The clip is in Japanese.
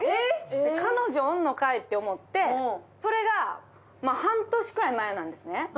彼女おんのかいって思って、それが半年くらい前なんですね。